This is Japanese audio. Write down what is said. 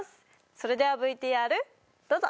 それではＶＴＲどうぞ！